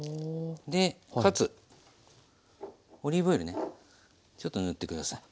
でかつオリーブ油ねちょっと塗って下さい。